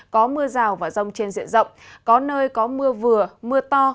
có mưa rào và rông trên diện rộng có nơi có mưa vừa mưa to